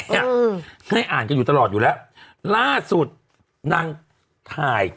เนี่ยให้อ่านกันอยู่ตลอดอยู่แล้วล่าสุดนางถ่าย